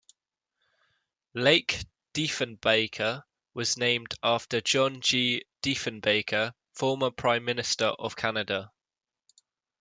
Lake Diefenbaker was named after John G. Diefenbaker, former Prime Minister of Canada.